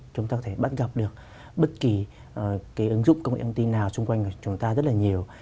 chúng ta có thể bắt gặp được bất kỳ cái ứng dụng công nghệ thông tin nào xung quanh của chúng ta rất là nhiều